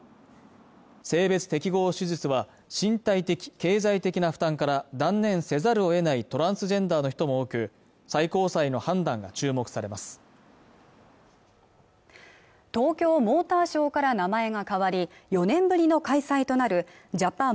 性別適合手術は身体的、経済的な負担から断念せざるを得ないトランスジェンダーの人も多く最高裁の判断が注目されます東京モーターショーから名前が変わり４年ぶりの開催となるジャパン